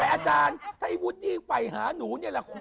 อาจารย์ถ้าวุฒิแฝมหาหนู